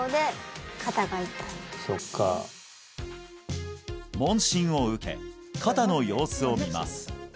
そっか問診を受け肩の様子を見ます